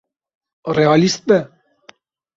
Realîst be.